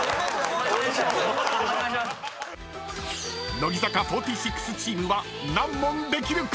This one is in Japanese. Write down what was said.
［乃木坂４６チームは何問できるか⁉］